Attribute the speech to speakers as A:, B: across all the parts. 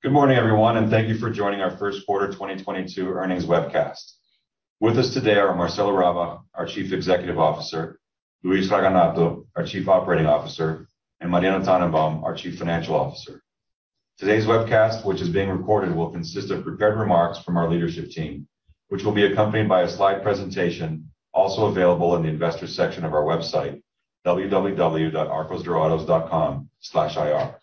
A: Good morning, everyone, and thank you for joining our Q1 2022 earnings webcast. With us today are Marcelo Rabach, our Chief Executive Officer, Luis Raganato, our Chief Operating Officer, and Mariano Tannenbaum, our Chief Financial Officer. Today's webcast, which is being recorded, will consist of prepared remarks from our leadership team, which will be accompanied by a slide presentation, also available in the investors section of our website www.arcosdorados.com/ir.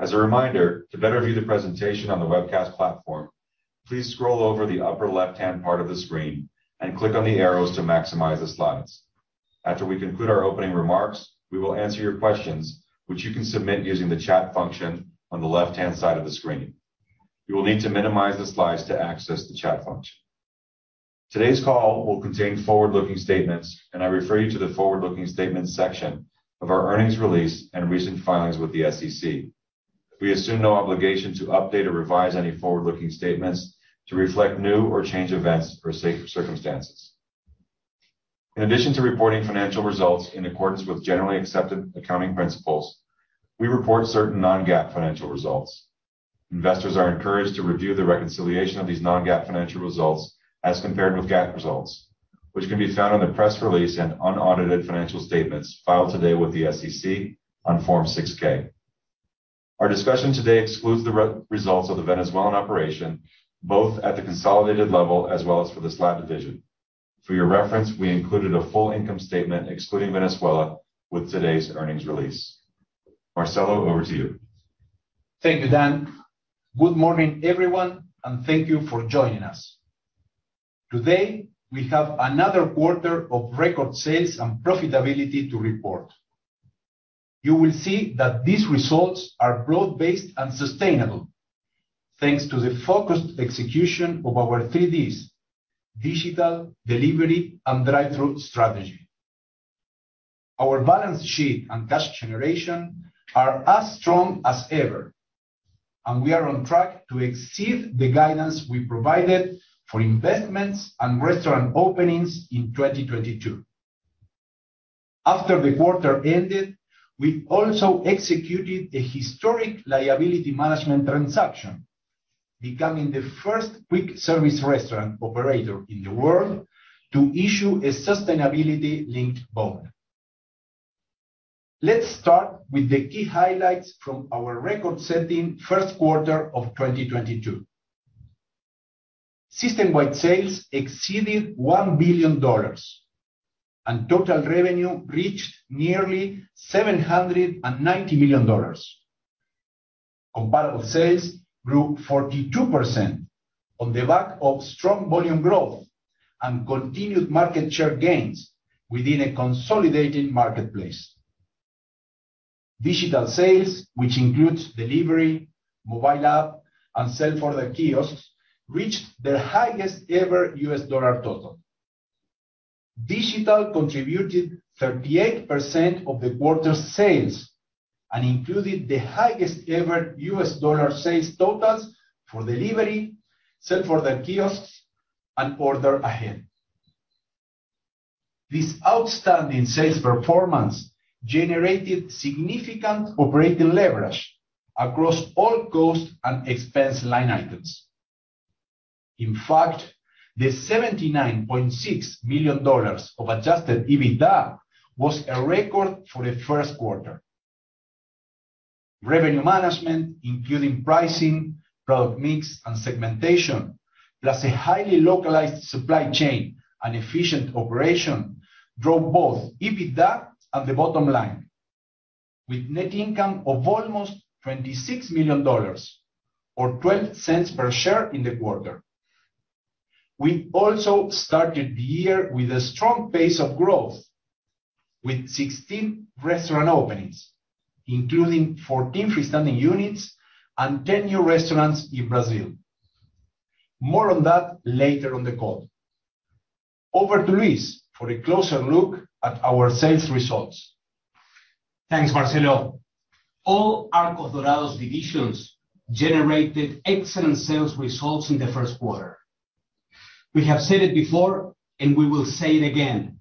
A: As a reminder, to better view the presentation on the webcast platform, please scroll over the upper left-hand part of the screen and click on the arrows to maximize the slides. After we conclude our opening remarks, we will answer your questions, which you can submit using the chat function on the left-hand side of the screen. You will need to minimize the slides to access the chat function. Today's call will contain forward-looking statements, and I refer you to the forward-looking statements section of our earnings release and recent filings with the SEC. We assume no obligation to update or revise any forward-looking statements to reflect new or changed events or subsequent circumstances. In addition to reporting financial results in accordance with generally accepted accounting principles, we report certain non-GAAP financial results. Investors are encouraged to review the reconciliation of these non-GAAP financial results as compared with GAAP results, which can be found in the press release and unaudited financial statements filed today with the SEC on Form 6-K. Our discussion today excludes the results of the Venezuelan operation, both at the consolidated level as well as for the SLAD division. For your reference, we included a full income statement excluding Venezuela with today's earnings release. Marcelo, over to you.
B: Thank you, Dan. Good morning, everyone, and thank you for joining us. Today, we have another quarter of record sales and profitability to report. You will see that these results are broad-based and sustainable thanks to the focused execution of our three Ds, digital, delivery, and drive-thru strategy. Our balance sheet and cash generation are as strong as ever, and we are on track to exceed the guidance we provided for investments and restaurant openings in 2022. After the quarter ended, we also executed a historic liability management transaction, becoming the first quick service restaurant operator in the world to issue a sustainability-linked bond. Let's start with the key highlights from our record-setting Q1 of 2022. System-wide sales exceeded $1 billion, and total revenue reached nearly $790 million. Comparable sales grew 42% on the back of strong volume growth and continued market share gains within a consolidated marketplace. Digital sales, which includes delivery, mobile app, and self-order kiosks, reached their highest ever U.S. dollar total. Digital contributed 38% of the quarter's sales and included the highest ever U.S. dollar sales totals for delivery, self-order kiosks, and order ahead. This outstanding sales performance generated significant operating leverage across all cost and expense line items. In fact, the $79.6 million of adjusted EBITDA was a record for the Q1. Revenue management, including pricing, product mix, and segmentation, plus a highly localized supply chain and efficient operation drove both EBITDA and the bottom line with net income of almost $26 million or $0.12 per share in the quarter. We also started the year with a strong pace of growth, with 16 restaurant openings, including 14 freestanding units and 10 new restaurants in Brazil. More on that later on the call. Over to Luis for a closer look at our sales results.
C: Thanks, Marcelo. All Arcos Dorados divisions generated excellent sales results in the Q1. We have said it before and we will say it again,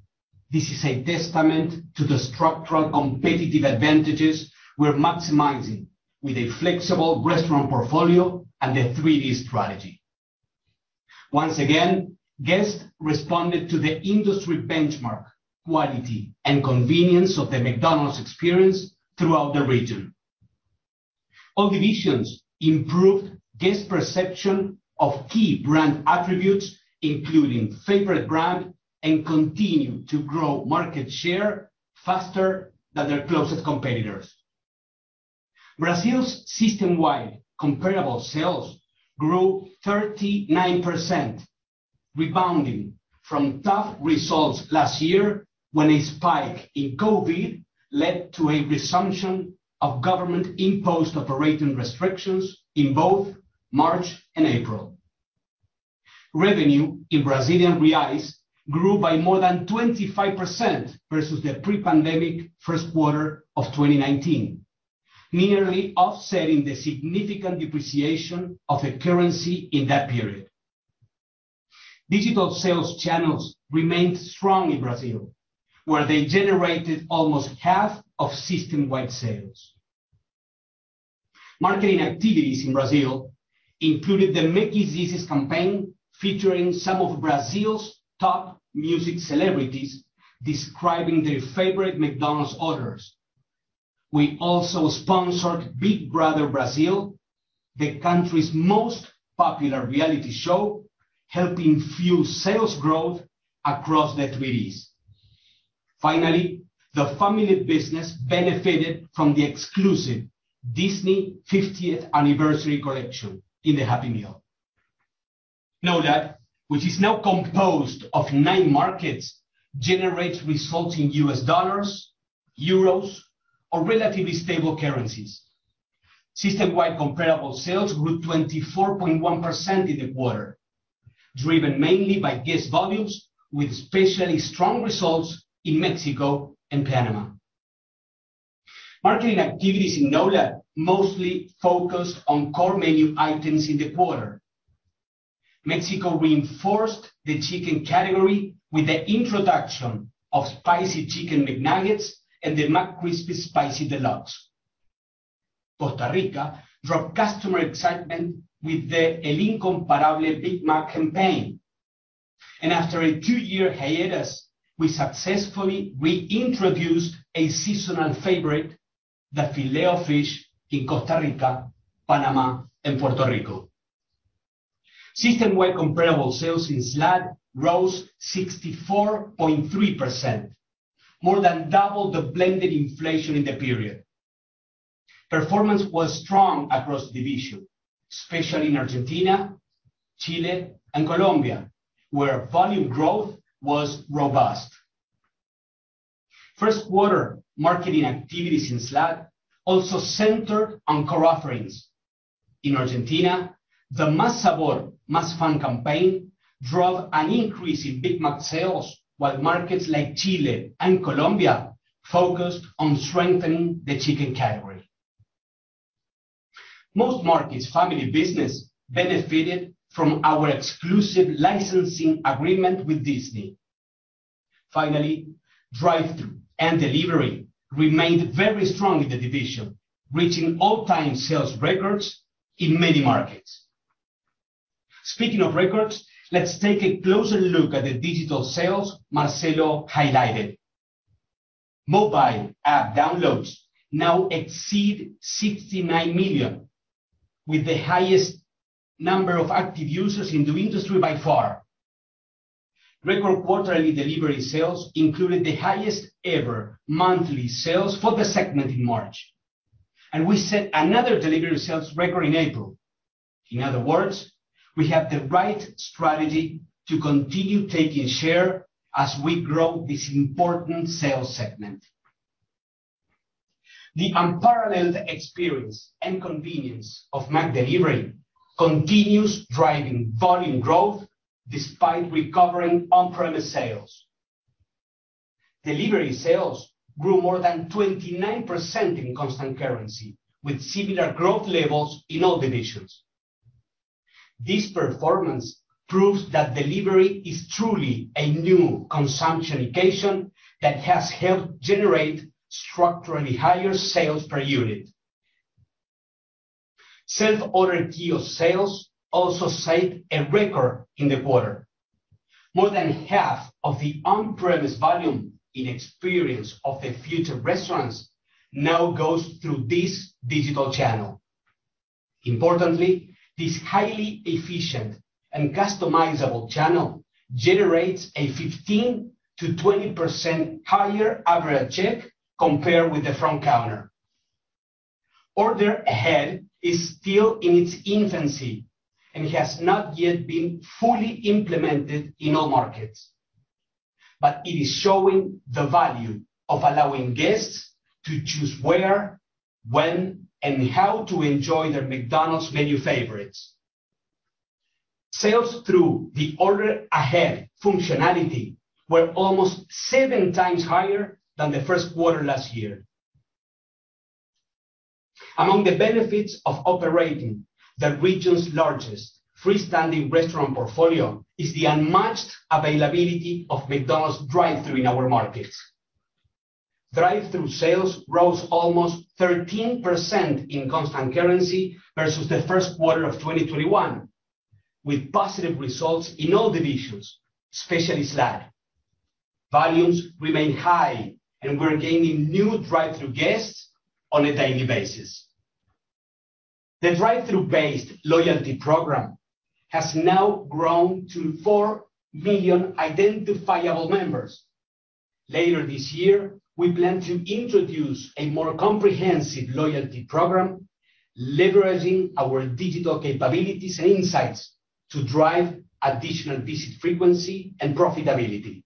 C: this is a testament to the structural competitive advantages we're maximizing with a flexible restaurant portfolio and the three Ds strategy. Once again, guests responded to the industry benchmark, quality, and convenience of the McDonald's experience throughout the region. All divisions improved guest perception of key brand attributes, including favorite brand, and continued to grow market share faster than their closest competitors. Brazil's system-wide comparable sales grew 39%, rebounding from tough results last year when a spike in COVID led to a resumption of government-imposed operating restrictions in both March and April. Revenue in Brazilian reals grew by more than 25% versus the pre-pandemic Q1 of 2019, merely offsetting the significant depreciation of the currency in that period. Digital sales channels remained strong in Brazil, where they generated almost half of system-wide sales. Marketing activities in Brazil included the Méqui's campaign, featuring some of Brazil's top music celebrities describing their favorite McDonald's orders. We also sponsored Big Brother Brazil, the country's most popular reality show, helping fuel sales growth across the 3Ds. Finally, the family business benefited from the exclusive Disney 50th anniversary collection in the Happy Meal. NOLAD, which is now composed of nine markets, generates results in U.S. dollars, euros, or relatively stable currencies. System-wide comparable sales grew 24.1% in the quarter, driven mainly by guest volumes, with especially strong results in Mexico and Panama. Marketing activities in NOLAD mostly focused on core menu items in the quarter. Mexico reinforced the chicken category with the introduction of spicy Chicken McNuggets and the Spicy Deluxe McCrispy. Costa Rica drove customer excitement with the El Incomparable Big Mac campaign. After a two year hiatus, we successfully re-introduced a seasonal favorite, the Filet-O-Fish, in Costa Rica, Panama, and Puerto Rico. System-wide comparable sales in SLAD rose 64.3%, more than double the blended inflation in the period. Performance was strong across the division, especially in Argentina, Chile, and Colombia, where volume growth was robust. Q1 marketing activities in SLAD also centered on core offerings. In Argentina, the Más Sabor, Más Fun campaign drove an increase in Big Mac sales, while markets like Chile and Colombia focused on strengthening the chicken category. Most markets family business benefited from our exclusive licensing agreement with Disney. Finally, drive-thru and delivery remained very strong in the division, reaching all-time sales records in many markets. Speaking of records, let's take a closer look at the digital sales Marcelo highlighted. Mobile app downloads now exceed 69,000,000 with the highest number of active users in the industry by far. Record quarterly delivery sales included the highest ever monthly sales for the segment in March. We set another delivery sales record in April. In other words, we have the right strategy to continue taking share as we grow this important sales segment. The unparalleled experience and convenience of McDelivery continues driving volume growth despite recovering on-premise sales. Delivery sales grew more than 29% in constant currency, with similar growth levels in all divisions. This performance proves that delivery is truly a new consumption occasion that has helped generate structurally higher sales per unit. Self-order kiosk sales also set a record in the quarter. More than half of the on-premise volume in Experience of the Future restaurants now goes through this digital channel. Importantly, this highly efficient and customizable channel generates a 15%-20% higher average check compared with the front counter. Order ahead is still in its infancy and has not yet been fully implemented in all markets. It is showing the value of allowing guests to choose where, when, and how to enjoy their McDonald's menu favorites. Sales through the order ahead functionality were almost 7x higher than the Q1 last year. Among the benefits of operating the region's largest freestanding restaurant portfolio is the unmatched availability of McDonald's drive-thru in our markets. Drive-thru sales rose almost 13% in constant currency versus the Q1 of 2021, with positive results in all divisions, especially SLAD. Volumes remain high, and we're gaining new drive-thru guests on a daily basis. The drive-thru-based loyalty program has now grown to 4,000,000 identifiable members. Later this year, we plan to introduce a more comprehensive loyalty program, leveraging our digital capabilities and insights to drive additional visit frequency and profitability.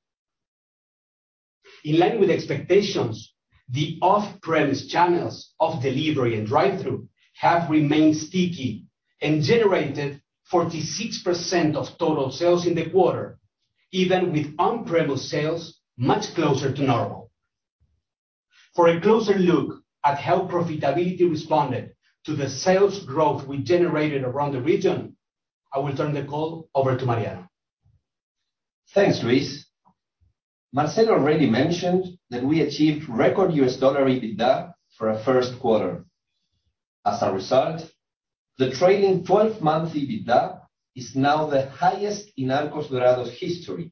C: In line with expectations, the off-premise channels of delivery and drive-thru have remained sticky and generated 46% of total sales in the quarter, even with on-premise sales much closer to normal. For a closer look at how profitability responded to the sales growth we generated around the region, I will turn the call over to Mariano.
D: Thanks, Luis. Marcelo already mentioned that we achieved record U.S. dollar EBITDA for a Q1. As a result, the trailing twelve-month EBITDA is now the highest in Arcos Dorados' history.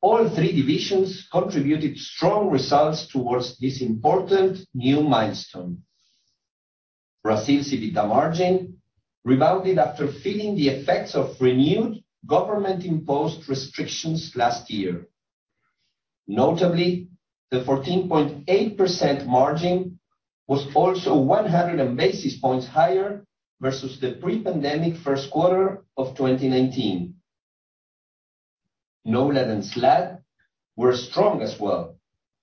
D: All three divisions contributed strong results towards this important new milestone. Brazil's EBITDA margin rebounded after feeling the effects of renewed government-imposed restrictions last year. Notably, the 14.8% margin was also 100 basis points higher versus the pre-pandemic Q1 of 2019. NOLAD and SLAD were strong as well,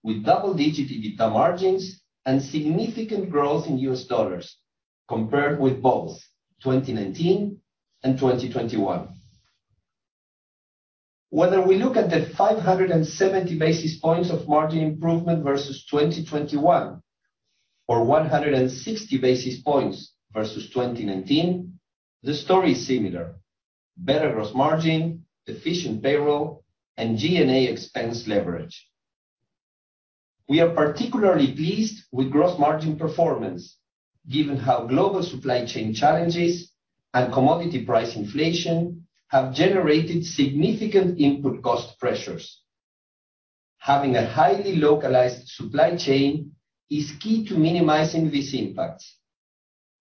D: with double-digit EBITDA margins and significant growth in U.S. dollars compared with both 2019 and 2021. Whether we look at the 570 basis points of margin improvement versus 2021 or 160 basis points versus 2019, the story is similar. Better gross margin, efficient payroll, and G&A expense leverage. We are particularly pleased with gross margin performance, given how global supply chain challenges and commodity price inflation have generated significant input cost pressures. Having a highly localized supply chain is key to minimizing these impacts.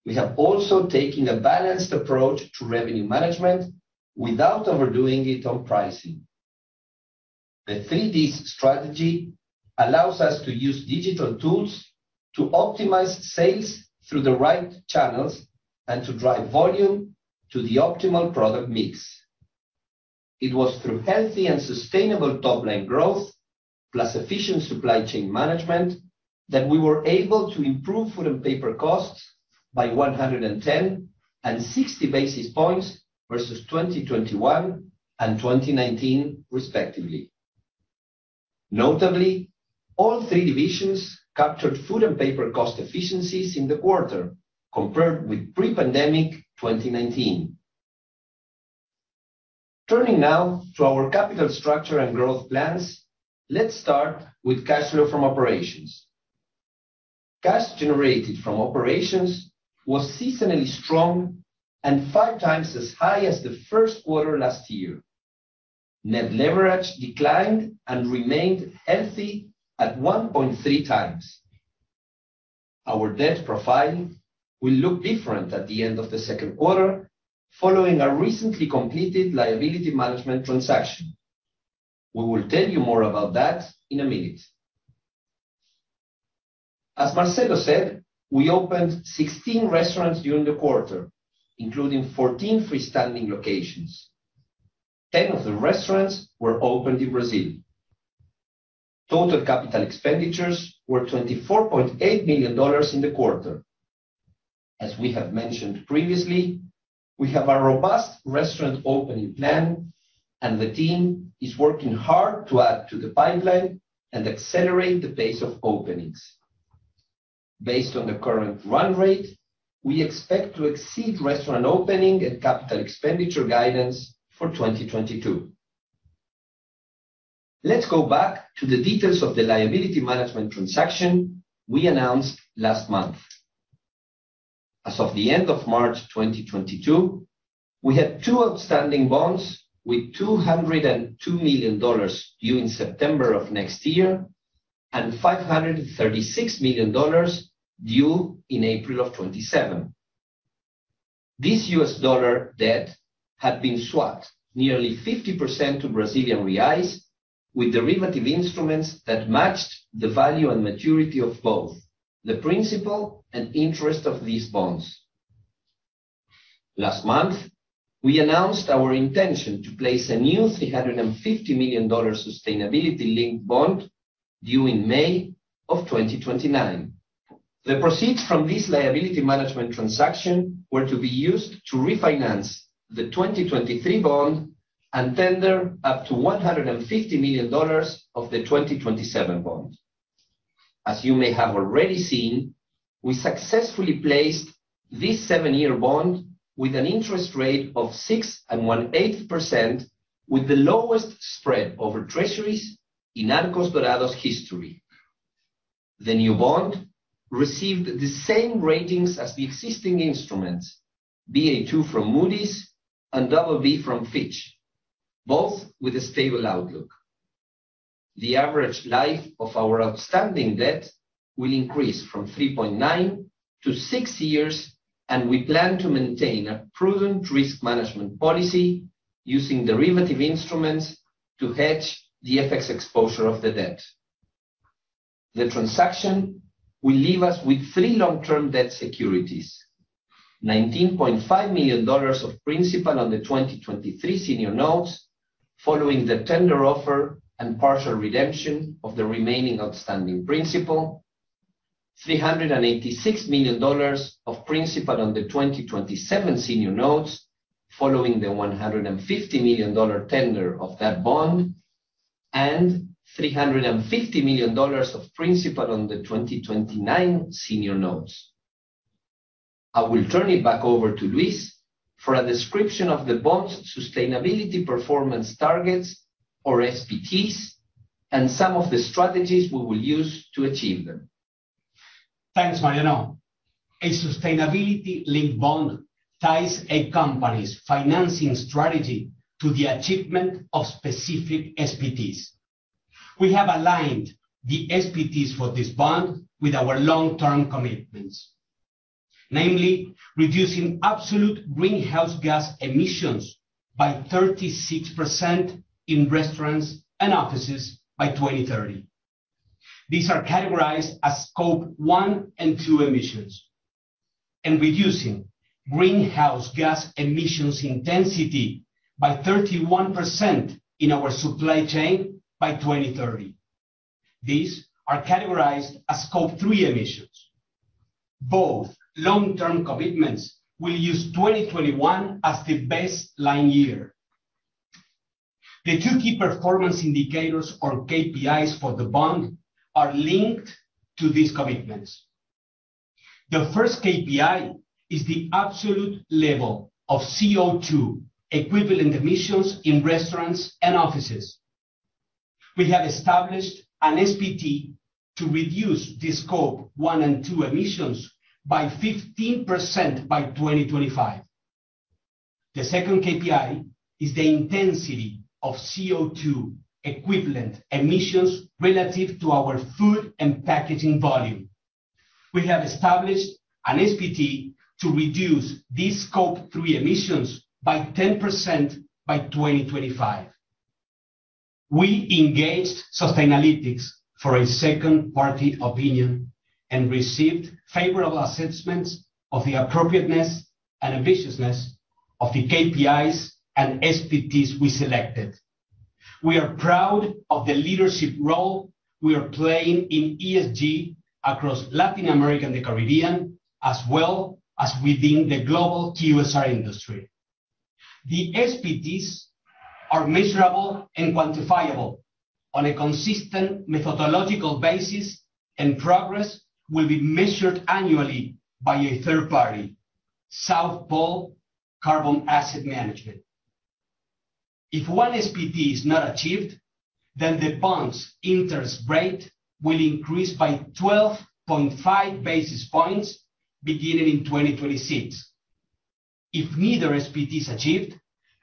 D: We have also taken a balanced approach to revenue management without overdoing it on pricing. The three Ds strategy allows us to use digital tools to optimize sales through the right channels and to drive volume to the optimal product mix. It was through healthy and sustainable top-line growth plus efficient supply chain management that we were able to improve food and paper costs by 110 and 60 basis points versus 2021 and 2019, respectively. Notably, all three divisions captured food and paper cost efficiencies in the quarter compared with pre-pandemic 2019. Turning now to our capital structure and growth plans. Let's start with cash flow from operations. Cash generated from operations was seasonally strong and 5x as high as the Q1 last year. Net leverage declined and remained healthy at 1.3x. Our debt profile will look different at the end of the Q2 following a recently completed liability management transaction. We will tell you more about that in a minute. As Marcelo said, we opened 16 restaurants during the quarter, including 14 freestanding locations. 10 of the restaurants were opened in Brazil. Total capital expenditures were $24.8 million in the quarter. As we have mentioned previously, we have a robust restaurant opening plan, and the team is working hard to add to the pipeline and accelerate the pace of openings. Based on the current run rate, we expect to exceed restaurant opening and capital expenditure guidance for 2022. Let's go back to the details of the liability management transaction we announced last month. As of the end of March 2022, we had two outstanding bonds with $202 million due in September of next year and $536 million due in April 2027. This U.S. dollar debt had been swapped nearly 50% to Brazilian reais with derivative instruments that matched the value and maturity of both the principal and interest of these bonds. Last month, we announced our intention to place a new $350 million sustainability-linked bond due in May 2029. The proceeds from this liability management transaction were to be used to refinance the 2023 bond and tender up to $150 million of the 2027 bond. As you may have already seen, we successfully placed this seven year bond with an interest rate of 6 1/8%, with the lowest spread over Treasuries in Arcos Dorados' history. The new bond received the same ratings as the existing instruments, Ba2 from Moody's and BB from Fitch, both with a stable outlook. The average life of our outstanding debt will increase from 3.9 to six years, and we plan to maintain a prudent risk management policy using derivative instruments to hedge the FX exposure of the debt. The transaction will leave us with three long-term debt securities, $19.5 million of principal on the 2023 senior notes following the tender offer and partial redemption of the remaining outstanding principal. $386 million of principal on the 2027 senior notes, following the $150 million tender of that bond, and $350 million of principal on the 2029 senior notes. I will turn it back over to Luis for a description of the bond's sustainability performance targets or SPTs, and some of the strategies we will use to achieve them.
C: Thanks, Mariano. A sustainability-linked bond ties a company's financing strategy to the achievement of specific SPTs. We have aligned the SPTs for this bond with our long-term commitments. Namely, reducing absolute greenhouse gas emissions by 36% in restaurants and offices by 2030. These are categorized as Scope 1 and 2 emissions. Reducing greenhouse gas emissions intensity by 31% in our supply chain by 2030. These are categorized as Scope 3 emissions. Both long-term commitments will use 2021 as the baseline year. The two key performance indicators or KPIs for the bond are linked to these commitments. The first KPI is the absolute level of CO2 equivalent emissions in restaurants and offices. We have established an SPT to reduce the Scope 1 and 2 emissions by 15% by 2025. The second KPI is the intensity of CO2 equivalent emissions relative to our food and packaging volume. We have established an SPT to reduce these Scope 3 emissions by 10% by 2025. We engaged Sustainalytics for a second-party opinion and received favorable assessments of the appropriateness and ambitiousness of the KPIs and SPTs we selected. We are proud of the leadership role we are playing in ESG across Latin America and the Caribbean, as well as within the global QSR industry. The SPTs are measurable and quantifiable on a consistent methodological basis, and progress will be measured annually by a third party, South Pole Carbon Asset Management. If one SPT is not achieved, then the bond's interest rate will increase by 12.5 basis points beginning in 2026. If neither SPT is achieved,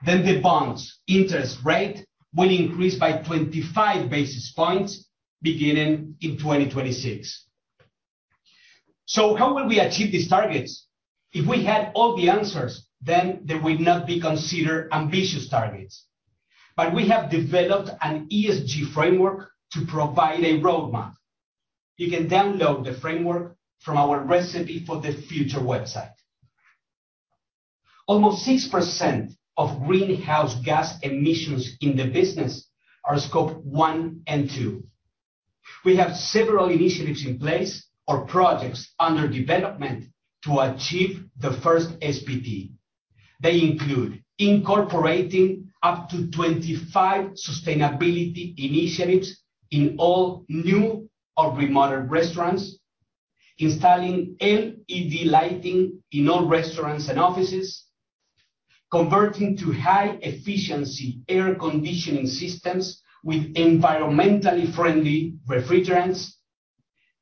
C: then the bond's interest rate will increase by 25 basis points beginning in 2026. How will we achieve these targets? If we had all the answers, then they would not be considered ambitious targets. We have developed an ESG framework to provide a roadmap. You can download the framework from our Recipe for the Future website. Almost 6% of greenhouse gas emissions in the business are Scope 1 and 2. We have several initiatives in place or projects under development to achieve the first SPT. They include incorporating up to 25 sustainability initiatives in all new or remodeled restaurants, installing LED lighting in all restaurants and offices, converting to high-efficiency air conditioning systems with environmentally friendly refrigerants,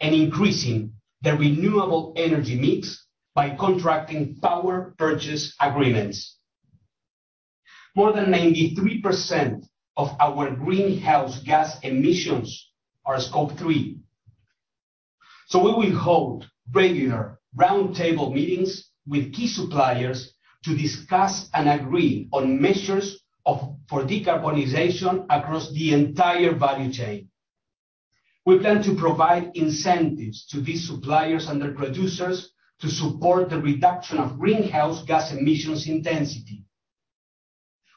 C: and increasing the renewable energy mix by contracting power purchase agreements. More than 93% of our greenhouse gas emissions are Scope 3. We will hold regular roundtable meetings with key suppliers to discuss and agree on measures for decarbonization across the entire value chain. We plan to provide incentives to these suppliers and their producers to support the reduction of greenhouse gas emissions intensity.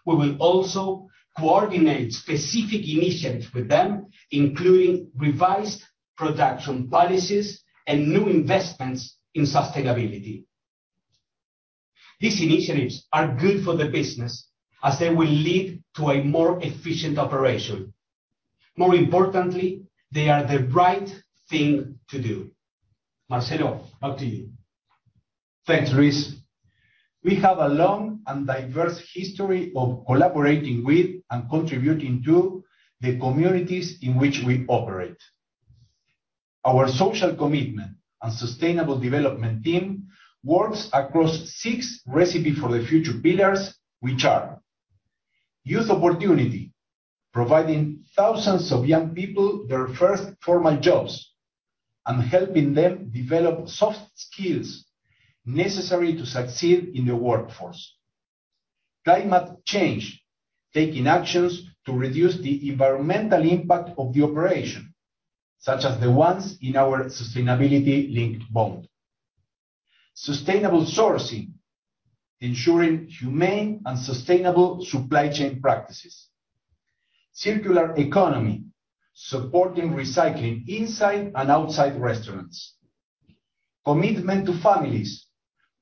C: We will also coordinate specific initiatives with them, including revised production policies and new investments in sustainability. These initiatives are good for the business as they will lead to a more efficient operation. More importantly, they are the right thing to do. Marcelo, back to you.
B: Thanks, Luis. We have a long and diverse history of collaborating with and contributing to the communities in which we operate. Our social commitment and sustainable development team works across six Recipe for the Future pillars, which are youth opportunity, providing thousands of young people their first formal jobs and helping them develop soft skills necessary to succeed in the workforce. Climate change, taking actions to reduce the environmental impact of the operation, such as the ones in our sustainability-linked bond. Sustainable sourcing, ensuring humane and sustainable supply chain practices. Circular economy, supporting recycling inside and outside restaurants. Commitment to families,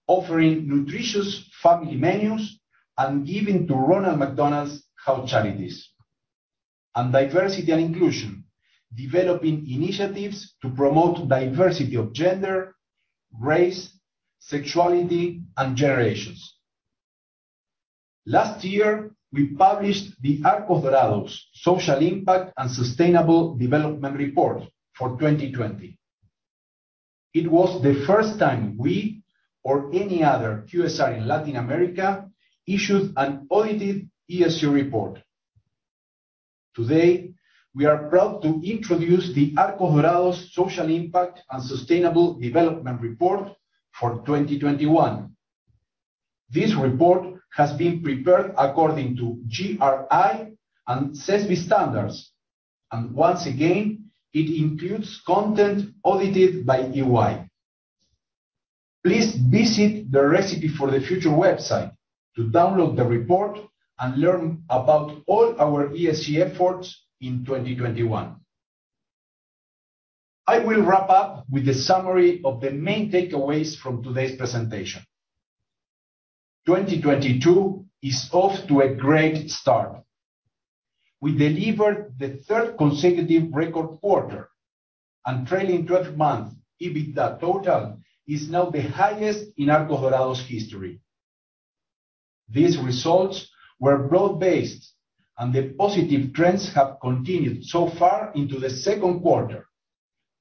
B: offering nutritious family menus and giving to Ronald McDonald House Charities. Diversity and inclusion, developing initiatives to promote diversity of gender, race, sexuality, and generations. Last year, we published the Arcos Dorados Social Impact and Sustainable Development Report for 2020. It was the first time we or any other QSR in Latin America issued an audited ESG report. Today, we are proud to introduce the Arcos Dorados Social Impact and Sustainable Development Report for 2021. This report has been prepared according to GRI and SASB standards, and once again, it includes content audited by EY. Please visit the Recipe for the Future website to download the report and learn about all our ESG efforts in 2021. I will wrap up with a summary of the main takeaways from today's presentation. 2022 is off to a great start. We delivered the third consecutive record quarter, and trailing 12 month EBITDA total is now the highest in Arcos Dorados' history. These results were broad-based, and the positive trends have continued so far into the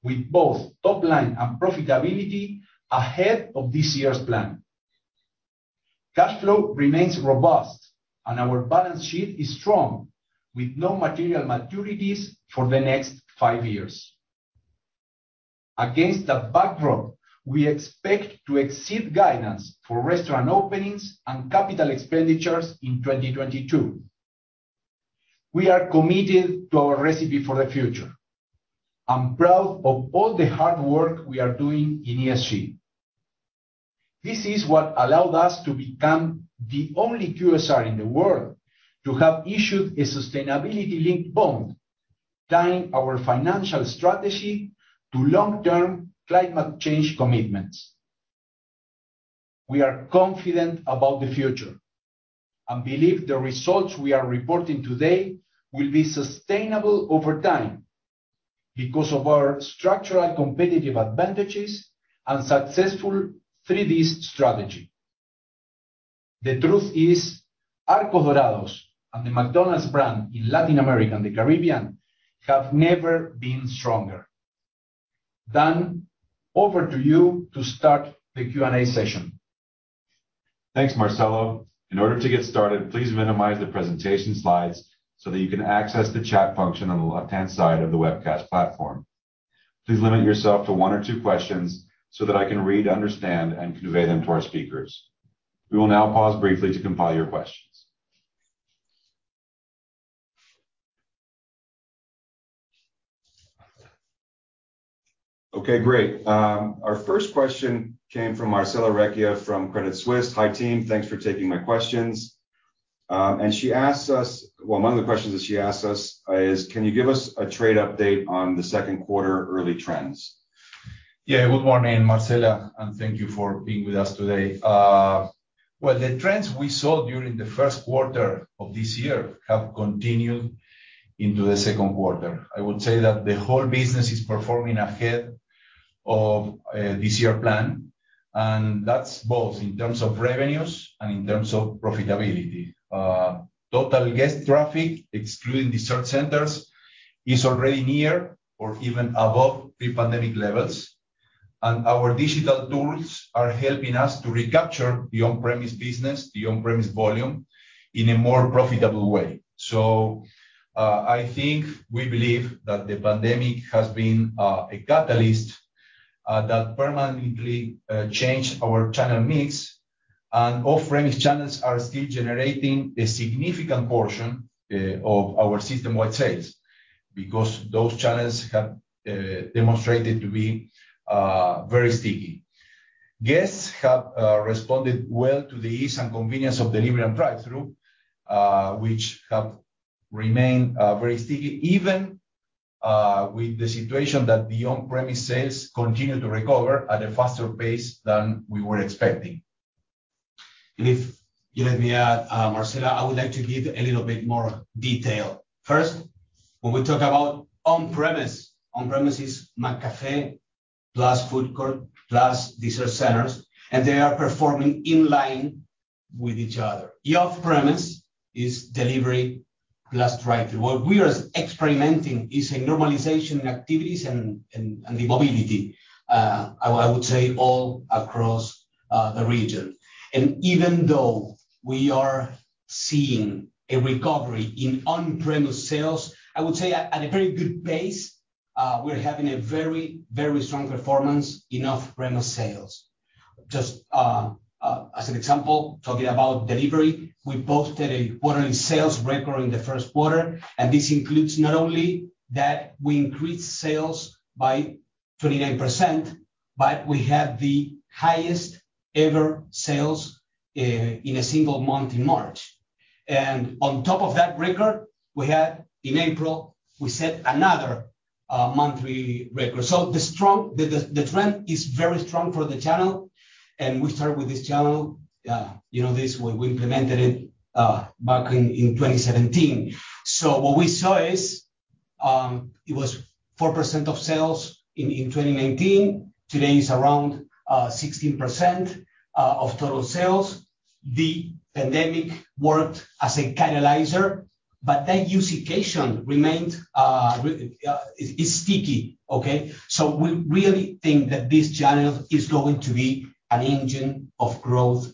B: second quarter, with both top line and profitability ahead of this year's plan. Cash flow remains robust, and our balance sheet is strong, with no material maturities for the next five years. Against that backdrop, we expect to exceed guidance for restaurant openings and capital expenditures in 2022. We are committed to our Recipe for the Future. I'm proud of all the hard work we are doing in ESG. This is what allowed us to become the only QSR in the world to have issued a sustainability-linked bond, tying our financial strategy to long-term climate change commitments. We are confident about the future and believe the results we are reporting today will be sustainable over time because of our structural competitive advantages and successful 3D strategy. The truth is, Arcos Dorados and the McDonald's brand in Latin America and the Caribbean have never been stronger. Dan, over to you to start the Q&A session.
A: Thanks, Marcelo. In order to get started, please minimize the presentation slides so that you can access the chat function on the left-hand side of the webcast platform. Please limit yourself to one or two questions so that I can read, understand, and convey them to our speakers. We will now pause briefly to compile your questions. Okay, great. Our first question came from Marcella Recchia from Credit Suisse. "Hi, team. Thanks for taking my questions." And she asks us. Well, one of the questions that she asks us is, "Can you give us a trade update on the second quarter early trends?
B: Yeah. Good morning, Marcella, and thank you for being with us today. The trends we saw during the Q1 of this year have continued into the Q2. I would say that the whole business is performing ahead of this year's plan, and that's both in terms of revenues and in terms of profitability. Total guest traffic, excluding dessert centers, is already near or even above the pandemic levels, and our digital tools are helping us to recapture the on-premise business, the on-premise volume, in a more profitable way. I think we believe that the pandemic has been a catalyst that permanently changed our channel mix, and off-premise channels are still generating a significant portion of our system-wide sales because those channels have demonstrated to be very sticky. Guests have responded well to the ease and convenience of delivery and drive-through, which have remained very sticky, even with the situation that the on-premise sales continue to recover at a faster pace than we were expecting.
C: If you let me add, Marcella, I would like to give a little bit more detail. First, when we talk about on-premise, on-premise is McCafé plus food court plus dessert centers, and they are performing in line with each other. The off-premise is delivery plus drive-through. What we are experiencing is a normalization in activities and the mobility, I would say all across the region. Even though we are seeing a recovery in on-premise sales, I would say at a very good pace, we're having a very strong performance in off-premise sales. Just, As an example, talking about delivery, we posted a quarterly sales record in the first quarter, and this includes not only that we increased sales by 29%, but we had the highest ever sales in a single month in March. On top of that record, in April, we set another monthly record. The trend is very strong for the channel. We started with this channel, you know, we implemented it back in 2017. What we saw is it was 4% of sales in 2019. Today it's around 16% of total sales. The pandemic worked as a catalyst, but that usage remained is sticky, okay? We really think that this channel is going to be an engine of growth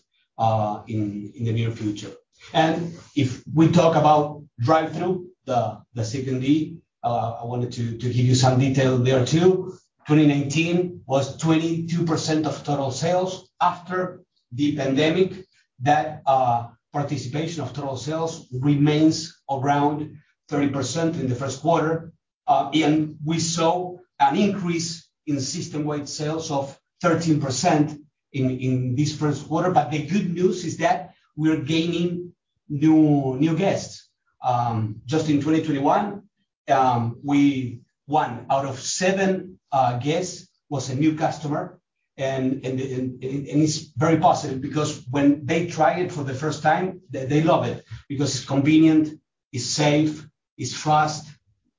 C: in the near future. If we talk about drive-thru, the second D, I wanted to give you some detail there too. 2019 was 22% of total sales. After the pandemic, participation of total sales remains around 30% in the Q1. We saw an increase in systemwide sales of 13% in this Q1. The good news is that we're gaining new guests. Just in 2021, one out of seven guests was a new customer. It's very positive because when they try it for the first time, they love it because it's convenient, it's safe, it's fast,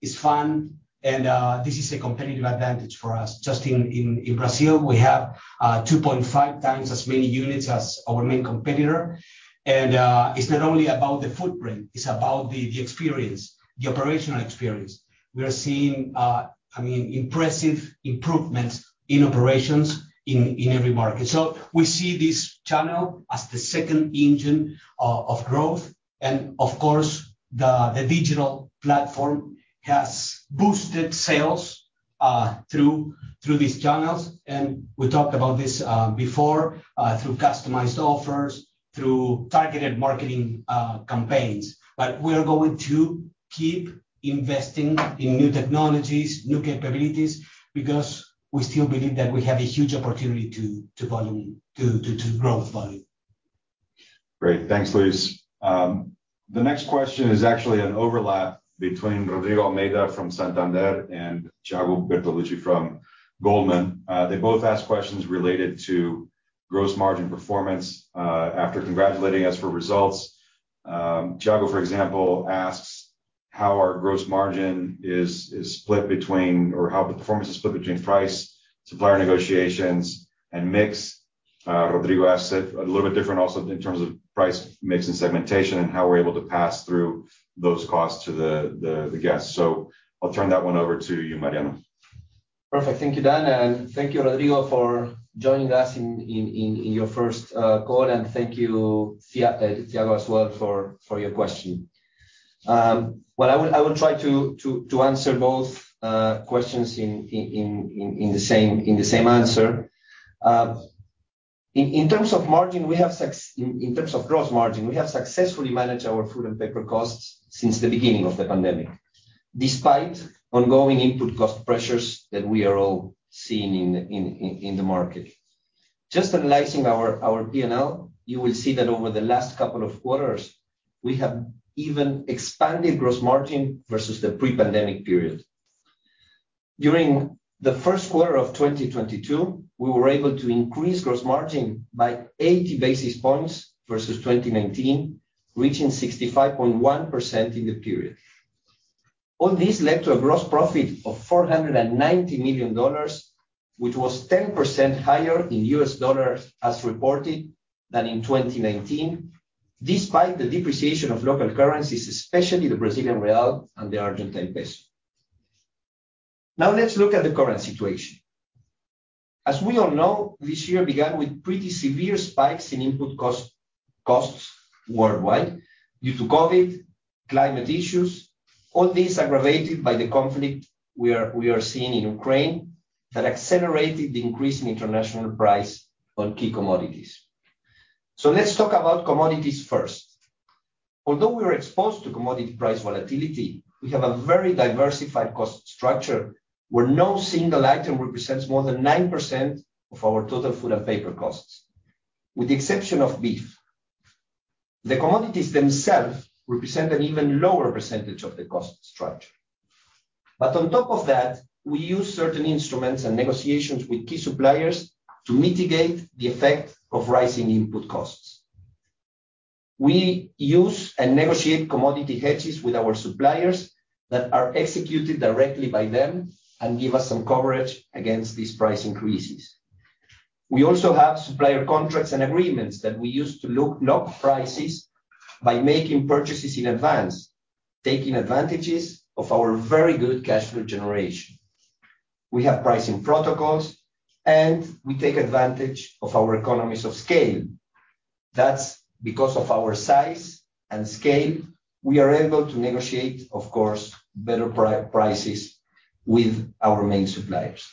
C: it's fun, and this is a competitive advantage for us. Just in Brazil, we have 2.5x as many units as our main competitor. It's not only about the footprint, it's about the experience, the operational experience. We are seeing, I mean, impressive improvements in operations in every market. We see this channel as the second engine of growth. Of course, the digital platform has boosted sales through these channels, and we talked about this before through customized offers, through targeted marketing campaigns. We're going to keep investing in new technologies, new capabilities, because we still believe that we have a huge opportunity to volume growth.
A: Great. Thanks, Luis. The next question is actually an overlap between Rodrigo Almeida from Santander and Thiago Bertolucci from Goldman. They both asked questions related to gross margin performance after congratulating us for results. Thiago, for example, asks how our gross margin is split between or how the performance is split between price, supplier negotiations, and mix. Rodrigo asked it a little bit different also in terms of price, mix, and segmentation, and how we're able to pass through those costs to the guests. I'll turn that one over to you, Mariano.
D: Perfect. Thank you, Dan. Thank you, Rodrigo, for joining us in your first call. Thank you, Thiago as well for your question. I will try to answer both questions in the same answer. In terms of gross margin, we have successfully managed our food and paper costs since the beginning of the pandemic, despite ongoing input cost pressures that we are all seeing in the market. Just analyzing our P&L, you will see that over the last couple of quarters, we have even expanded gross margin versus the pre-pandemic period. During the Q1 of 2022, we were able to increase gross margin by 80 basis points versus 2019, reaching 65.1% in the period. All this led to a gross profit of $490 million, which was 10% higher in U.S. dollars as reported than in 2019, despite the depreciation of local currencies, especially the Brazilian real and the Argentine peso. Now let's look at the current situation. As we all know, this year began with pretty severe spikes in input costs worldwide due to COVID, climate issues. All this aggravated by the conflict we are seeing in Ukraine that accelerated the increase in international prices on key commodities. Let's talk about commodities first. Although we are exposed to commodity price volatility, we have a very diversified cost structure where no single item represents more than 9% of our total food and paper costs, with the exception of beef. The commodities themselves represent an even lower percentage of the cost structure. On top of that, we use certain instruments and negotiations with key suppliers to mitigate the effect of rising input costs. We use and negotiate commodity hedges with our suppliers that are executed directly by them and give us some coverage against these price increases. We also have supplier contracts and agreements that we use to lock prices by making purchases in advance, taking advantages of our very good cash flow generation. We have pricing protocols, and we take advantage of our economies of scale. That's because of our size and scale, we are able to negotiate, of course, better prices with our main suppliers.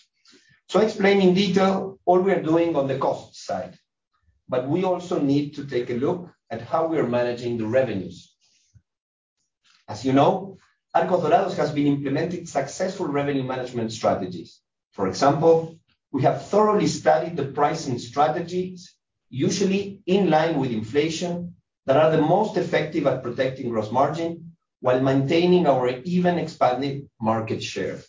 D: Explain in detail what we are doing on the cost side. We also need to take a look at how we are managing the revenues. As you know, Arcos Dorados has been implementing successful revenue management strategies. For example, we have thoroughly studied the pricing strategies, usually in line with inflation, that are the most effective at protecting gross margin while maintaining our and even expanding market share.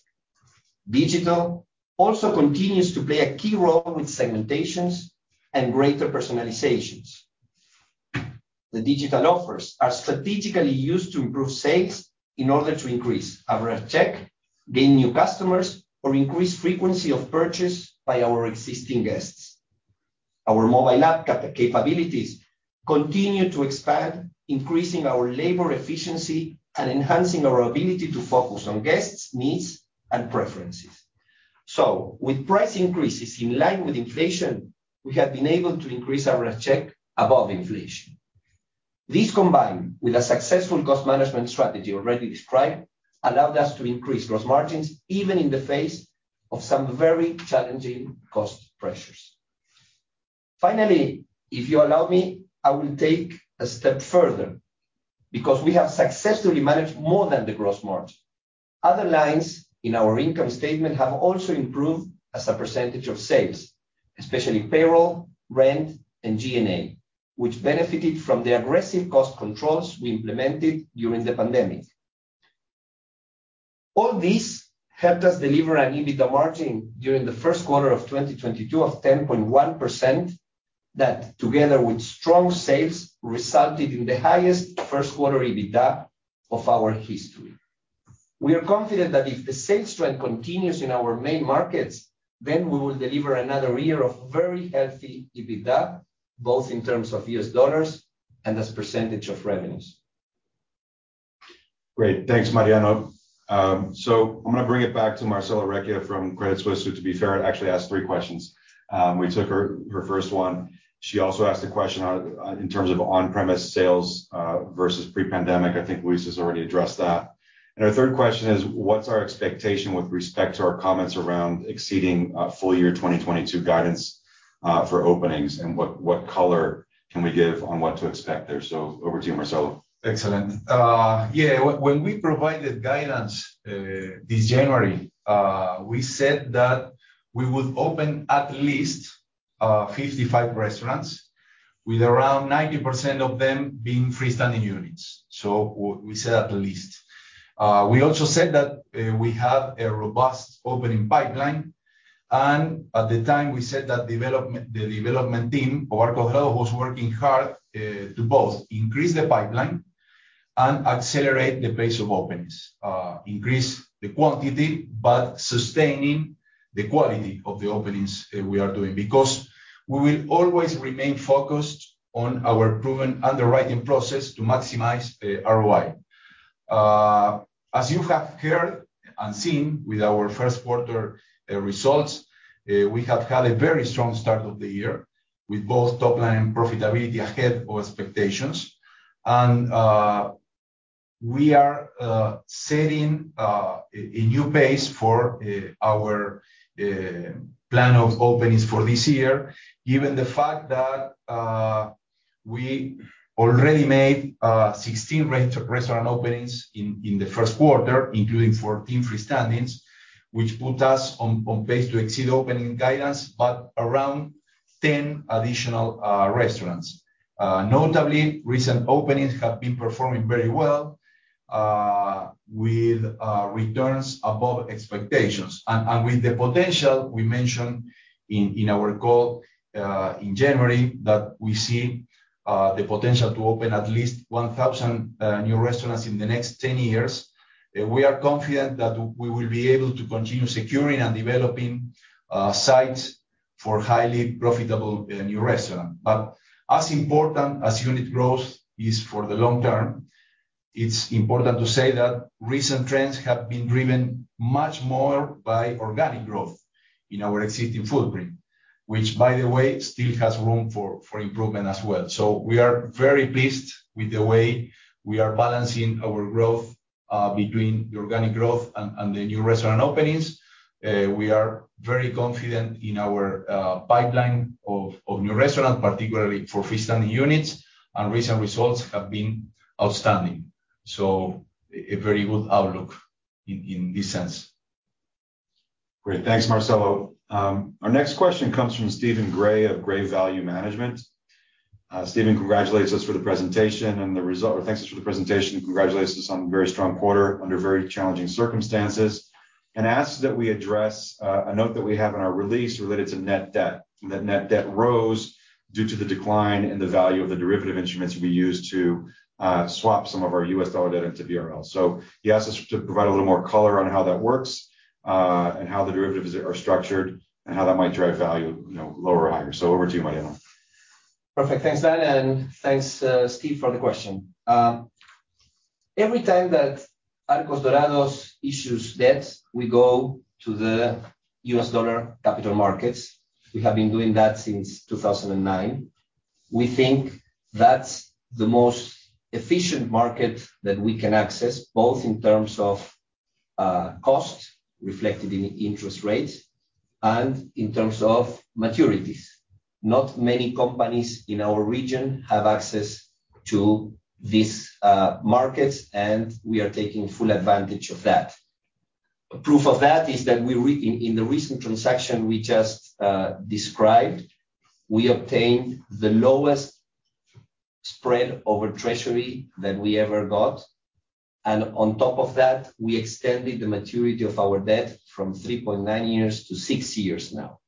D: Digital also continues to play a key role with segmentations and greater personalizations. The digital offers are strategically used to improve sales in order to increase average check, gain new customers, or increase frequency of purchase by our existing guests. Our mobile app capabilities continue to expand, increasing our labor efficiency and enhancing our ability to focus on guests' needs and preferences. With price increases in line with inflation, we have been able to increase average check above inflation. This, combined with a successful cost management strategy already described, allowed us to increase gross margins even in the face of some very challenging cost pressures. Finally, if you allow me, I will take a step further because we have successfully managed more than the gross margin. Other lines in our income statement have also improved as a percentage of sales, especially payroll, rent, and G&A, which benefited from the aggressive cost controls we implemented during the pandemic. All this helped us deliver an EBITDA margin during the Q1 of 2022 of 10.1% that, together with strong sales, resulted in the highest Q1 EBITDA of our history. We are confident that if the sales trend continues in our main markets, then we will deliver another year of very healthy EBITDA, both in terms of US dollars and as percentage of revenues.
A: Great. Thanks, Mariano. I'm gonna bring it back to Marcella Recchia from Credit Suisse, who, to be fair, actually asked three questions. We took her first one. She also asked a question on in terms of on-premise sales versus pre-pandemic. I think Luis has already addressed that. Her third question is, what's our expectation with respect to our comments around exceeding full year 2022 guidance for openings? And what color can we give on what to expect there? Over to you, Marcelo.
B: Excellent. When we provided guidance this January, we said that we would open at least 55 restaurants, with around 90% of them being freestanding units. We said at least. We also said that we have a robust opening pipeline. At the time, we said that the development team for Arcos Dorados was working hard to both increase the pipeline and accelerate the pace of openings. Increase the quantity, but sustaining the quality of the openings, we are doing because we will always remain focused on our proven underwriting process to maximize ROI. As you have heard and seen with our first quarter results, we have had a very strong start of the year with both top line and profitability ahead of expectations. We are setting a new pace for our plan of openings for this year. Given the fact that we already made 16 restaurant openings in the Q1, including 14 freestanding, which put us on pace to exceed opening guidance by around 10 additional restaurants. Notably, recent openings have been performing very well, with returns above expectations. With the potential we mentioned in our call in January that we see the potential to open at least 1,000 new restaurants in the next 10 years, we are confident that we will be able to continue securing and developing sites for highly profitable new restaurant. As important as unit growth is for the long term, it's important to say that recent trends have been driven much more by organic growth in our existing footprint, which, by the way, still has room for improvement as well. We are very pleased with the way we are balancing our growth between the organic growth and the new restaurant openings. We are very confident in our pipeline of new restaurants, particularly for freestanding units, and recent results have been outstanding. A very good outlook in this sense.
A: Great. Thanks, Marcelo. Our next question comes from Steven Grey of Grey Value Management. Steven thanks us for the presentation and congratulates us on a very strong quarter under very challenging circumstances, and asks that we address a note that we have in our release related to net debt. That net debt rose due to the decline in the value of the derivative instruments we used to swap some of our U.S. dollar debt into BRL. He asked us to provide a little more color on how that works, and how the derivatives are structured and how that might drive value, you know, lower or higher. Over to you, Mariano.
D: Perfect. Thanks, Dan, and thanks, Steven, for the question. Every time that Arcos Dorados issues debt, we go to the U.S. dollar capital markets. We have been doing that since 2009. We think that's the most efficient market that we can access, both in terms of cost reflected in interest rates and in terms of maturities. Not many companies in our region have access to these markets, and we are taking full advantage of that. A proof of that is that in the recent transaction we just described, we obtained the lowest spread over Treasury than we ever got. On top of that, we extended the maturity of our debt from 3.9 years to six years now.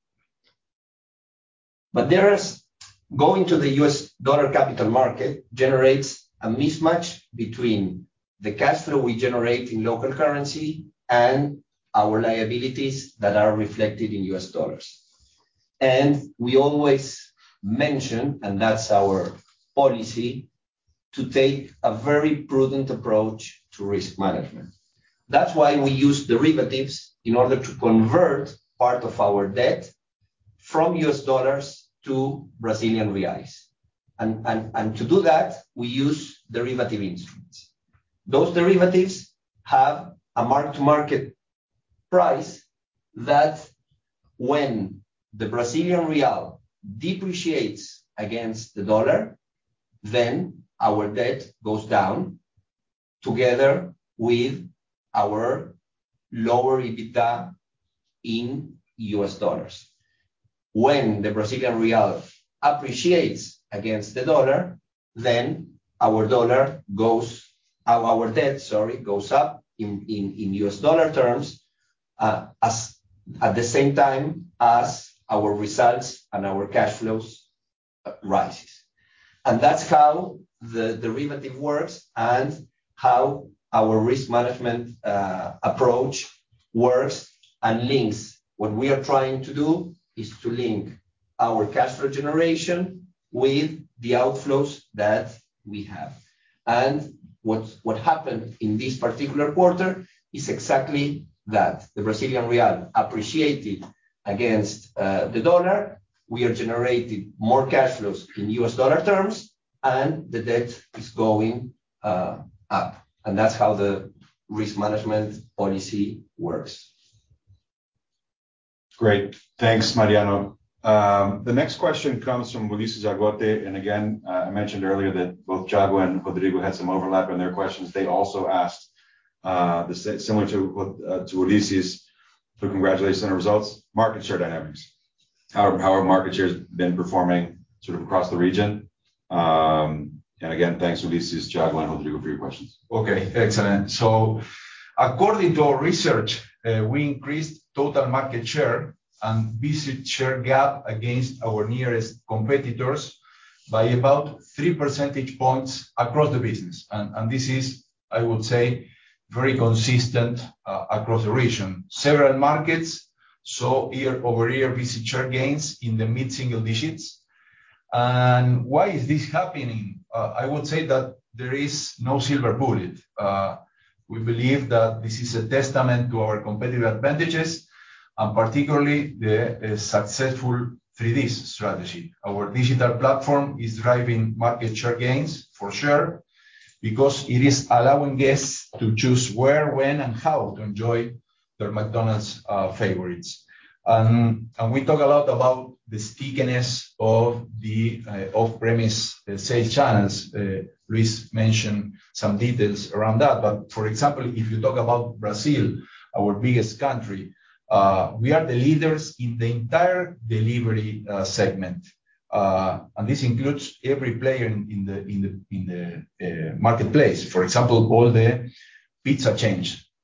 D: Going to the U.S. dollar capital market generates a mismatch between the cash flow we generate in local currency and our liabilities that are reflected in U.S. dollars. We always mention, and that's our policy, to take a very prudent approach to risk management. That's why we use derivatives in order to convert part of our debt from U.S. dollars to Brazilian reals. To do that, we use derivative instruments. Those derivatives have a mark-to-market price that when the Brazilian real depreciates against the dollar, then our debt goes down together with our lower EBITDA in U.S. dollars. When the Brazilian real appreciates against the dollar, then our debt, sorry, goes up in U.S. dollar terms, as at the same time as our results and our cash flows rises. That's how the derivative works and how our risk management approach works and links. What we are trying to do is to link our cash flow generation with the outflows that we have. What happened in this particular quarter is exactly that. The Brazilian real appreciated against the dollar. We are generating more cash flows in U.S. dollar terms, and the debt is going up. That's how the risk management policy works.
A: Great. Thanks, Mariano. The next question comes from Ulises Argote. I mentioned earlier that both Thiago and Rodrigo had some overlap in their questions. They also asked similar to what to Ulises, so congratulations on the results. Market share dynamics. How are market shares been performing sort of across the region? Thanks, Ulises, Thiago, and Rodrigo for your questions.
B: Okay. Excellent. According to our research, we increased total market share and visit share gap against our nearest competitors by about three percentage points across the business. This is, I would say, very consistent across the region. Several markets saw year-over-year visit share gains in the mid-single digits. Why is this happening? I would say that there is no silver bullet. We believe that this is a testament to our competitive advantages, and particularly the successful 3D strategy. Our digital platform is driving market share gains for sure, because it is allowing guests to choose where, when, and how to enjoy their McDonald's favorites. We talk a lot about the stickiness of the off-premise sales channels. Luis mentioned some details around that. For example, if you talk about Brazil, our biggest country, we are the leaders in the entire delivery segment. This includes every player in the marketplace. For example, all the pizza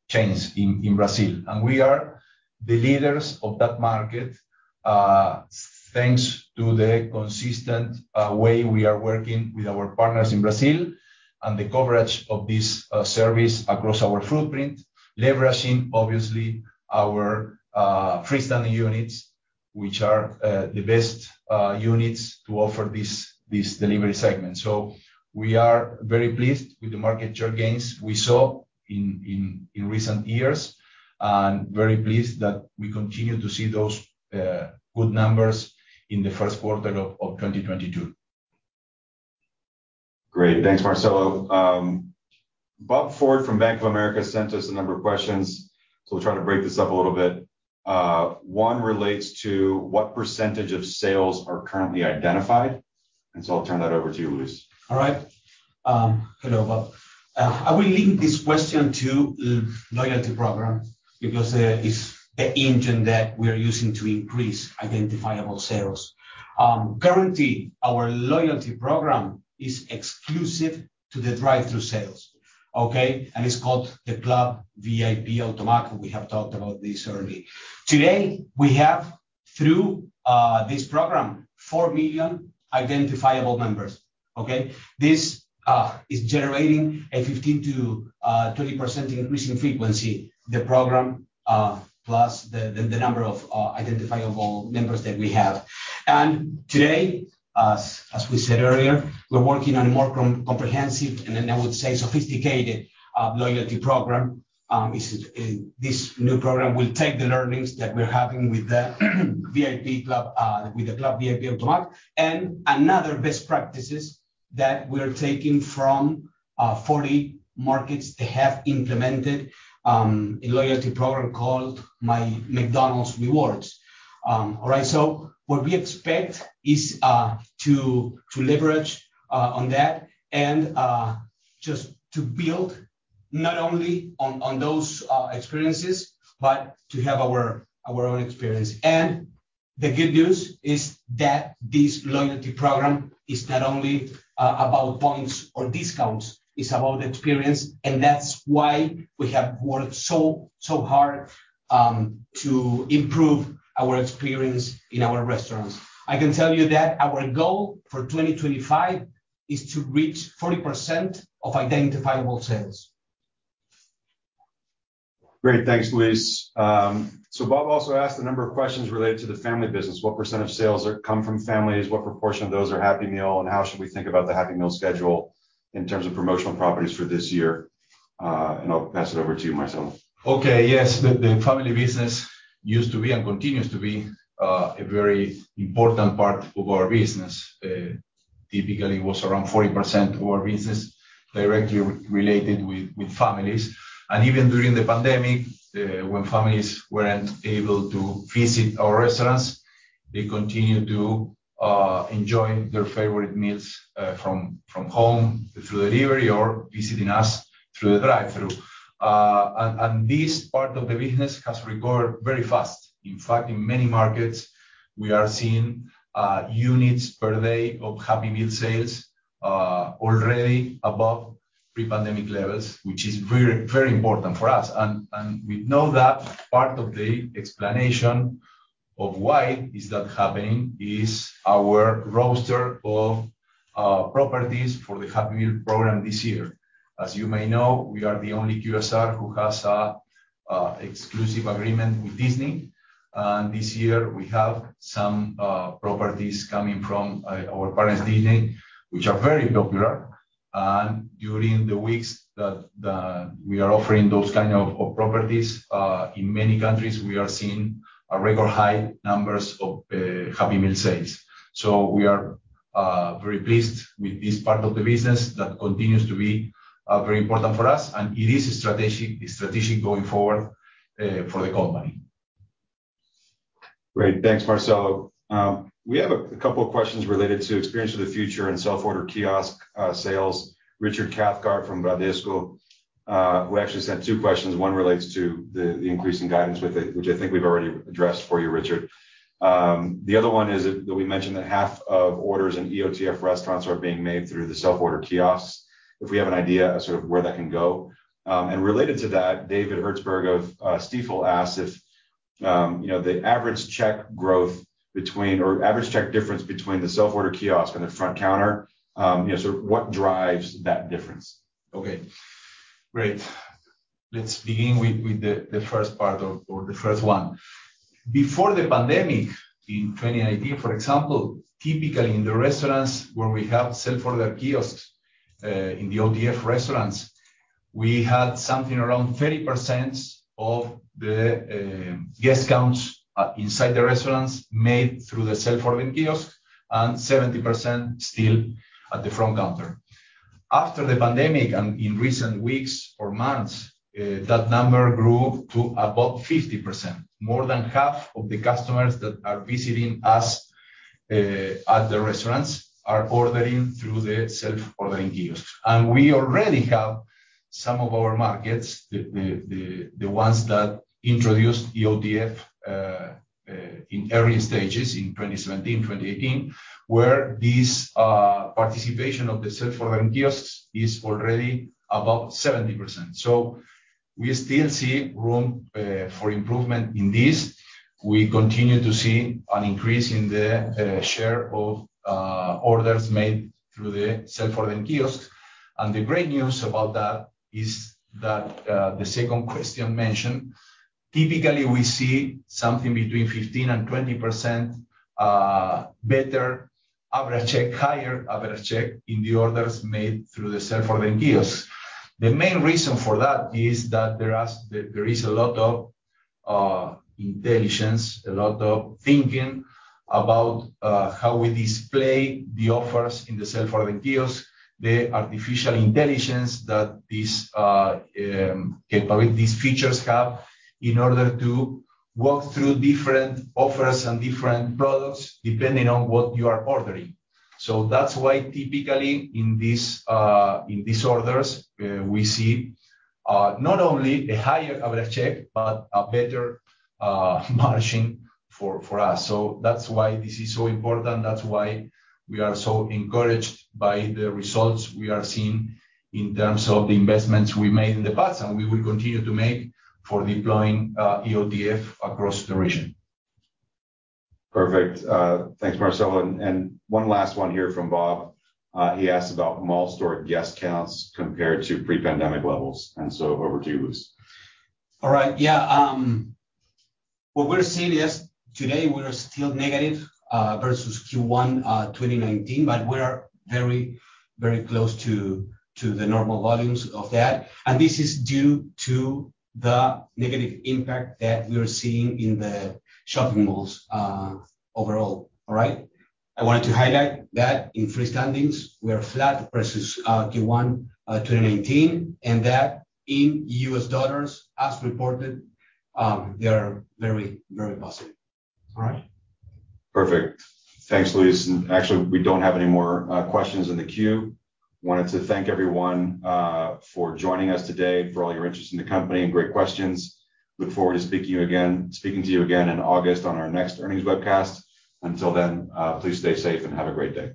B: chains in Brazil. We are the leaders of that market, thanks to the consistent way we are working with our partners in Brazil and the coverage of this service across our footprint, leveraging obviously our freestanding units, which are the best units to offer this delivery segment. We are very pleased with the market share gains we saw in recent years, and very pleased that we continue to see those good numbers in the Q1 of 2022.
A: Great. Thanks, Marcelo. Bob Ford from Bank of America sent us a number of questions. We'll try to break this up a little bit. One relates to what percentage of sales are currently identified. I'll turn that over to you, Luis.
C: All right. Hello, Bob. I will link this question to loyalty program because it's the engine that we are using to increase identifiable sales. Currently, our loyalty program is exclusive to the drive-thru sales. Okay? It's called the Club VIP AutoMac. We have talked about this already. Today, we have, through this program, 4,000,000 identifiable members. Okay? This is generating a 15%-20% increase in frequency, the program plus the number of identifiable members that we have. Today, as we said earlier, we're working on a more comprehensive, and then I would say sophisticated, loyalty program. It's this new program will take the learnings that we're having with the VIP club, with the Club VIP AutoMac and another best practices. That we're taking from 40 markets that have implemented a loyalty program called MyMcDonald's Rewards. All right, what we expect is to leverage on that and just to build not only on those experiences, but to have our own experience. The good news is that this loyalty program is not only about points or discounts, it's about experience. That's why we have worked so hard to improve our experience in our restaurants. I can tell you that our goal for 2025 is to reach 40% of identifiable sales.
A: Great. Thanks, Luis. Bob also asked a number of questions related to the family business. What percentage of sales come from families? What proportion of those are Happy Meal, and how should we think about the Happy Meal schedule in terms of promotional properties for this year? I'll pass it over to you, Marcelo.
B: Okay. Yes. The family business used to be, and continues to be, a very important part of our business. Typically it was around 40% of our business directly related with families. Even during the pandemic, when families weren't able to visit our restaurants, they continued to enjoy their favorite meals from home through delivery or visiting us through the drive-thru. This part of the business has recovered very fast. In fact, in many markets we are seeing units per day of Happy Meal sales already above pre-pandemic levels, which is very, very important for us. We know that part of the explanation of why is that happening is our roster of properties for the Happy Meal program this year. As you may know, we are the only QSR who has a exclusive agreement with Disney. This year, we have some properties coming from our partners Disney, which are very popular. During the weeks that we are offering those kind of properties in many countries, we are seeing record high numbers of Happy Meal sales. We are very pleased with this part of the business that continues to be very important for us, and it is a strategic going forward for the company.
A: Great. Thanks, Marcelo. We have a couple of questions related to Experience of the Future and self-order kiosk sales. Richard Cathcart from Bradesco, who actually sent two questions. One relates to the increasing guidance with it, which I think we've already addressed for you, Richard. The other one is that we mentioned that half of orders in EOTF restaurants are being made through the self-order kiosks, if we have an idea of sort of where that can go. And related to that, David Herzberg of Stifel asked if you know the average check difference between the self-order kiosk and the front counter. You know, sort of what drives that difference?
B: Okay, great. Let's begin with the first part or the first one. Before the pandemic in 2019, for example, typically in the restaurants where we have self-order kiosks in the EOTF restaurants, we had something around 30% of the guest counts inside the restaurants made through the self-ordering kiosk and 70% still at the front counter. After the pandemic and in recent weeks or months, that number grew to about 50%. More than half of the customers that are visiting us at the restaurants are ordering through the self-ordering kiosk. We already have some of our markets, the ones that introduced EOTF in early stages in 2017, 2018, where this participation of the self-ordering kiosks is already above 70%. We still see room for improvement in this. We continue to see an increase in the share of orders made through the self-ordering kiosk. The great news about that is that the second question mentioned, typically we see something between 15%-20% better average check, higher average check in the orders made through the self-ordering kiosk. The main reason for that is that there is a lot of intelligence, a lot of thinking about how we display the offers in the self-ordering kiosk. The artificial intelligence that these features have in order to walk through different offers and different products depending on what you are ordering. That's why typically in this, in these orders, we see not only the higher average check, but a better margin for us. That's why this is so important. That's why we are so encouraged by the results we are seeing in terms of the investments we made in the past and we will continue to make for deploying EOTF across the region.
A: Perfect. Thanks, Marcelo. One last one here from Bob. He asked about mall store guest counts compared to pre-pandemic levels. Over to you, Luis.
C: All right. Yeah. What we're seeing is today we are still negative versus Q1 2019, but we are very, very close to the normal volumes of that. This is due to the negative impact that we are seeing in the shopping malls overall. All right? I wanted to highlight that in freestanding we are flat versus Q1 2019, and that in U.S. dollars as reported, they are very, very positive. All right.
A: Perfect. Thanks, Luis. Actually, we don't have any more questions in the queue. Wanted to thank everyone for joining us today, for all your interest in the company and great questions. Look forward to speaking to you again in August on our next earnings webcast. Until then, please stay safe and have a great day.